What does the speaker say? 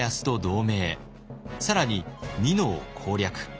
更に美濃を攻略。